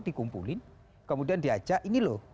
dikumpulin kemudian diajak ini loh